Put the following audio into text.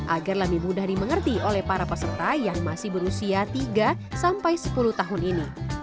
agar lebih mudah dimengerti oleh para peserta yang masih berusia tiga sampai sepuluh tahun ini